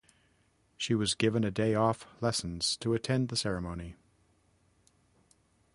She was given a day off lessons to attend the ceremony.